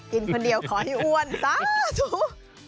กินคนเดียวขอให้อ้วนซะถูก